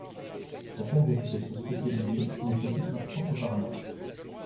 Certaines applications spécialisées nécessitent leurs propres paramètres.